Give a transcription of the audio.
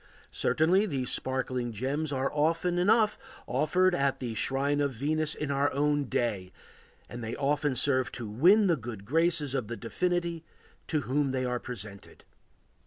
Certainly these sparkling gems are often enough offered at the shrine of Venus in our own day, and they often serve to win the good graces of the divinity to whom they are presented.